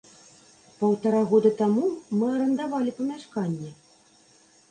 Паўтара года таму мы арандавалі памяшканне.